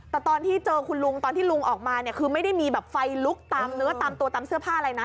แต่ตอนที่เจอคุณลุงตอนที่ลุงออกมาเนี่ยคือไม่ได้มีแบบไฟลุกตามเนื้อตามตัวตามเสื้อผ้าอะไรนะ